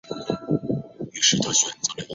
苦槛蓝为苦槛蓝科苦槛蓝属下的一个种。